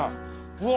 うわ！